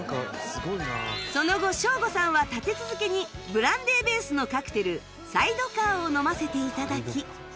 その後ショーゴさんは立て続けにブランデーベースのカクテルサイドカーを飲ませて頂き